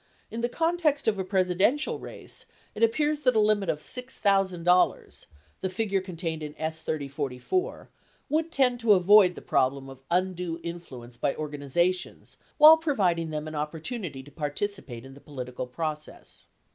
In the context of a Presidential race it appears that a limit of $6,000 — the figure contained in S. 3044 — would tend to avoid the problem of undue influence by organizations while providing them an opportunity to participate in the political process.